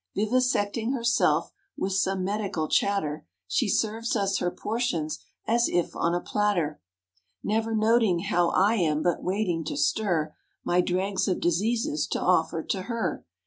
Vivisecting herself, with some medical chatter, She serves us her portions as if on a platter, Never noting how I am but waiting to stir My dregs of diseases to offer to her.